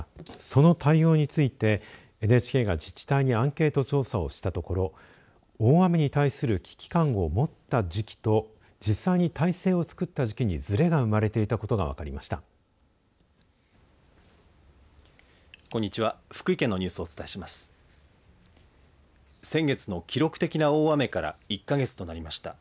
その対応についてＮＨＫが自治体にアンケート調査をしたところ大雨に対する危機感を持った時期と実際に態勢を作った時期にずれが生まれていたことが分かりました。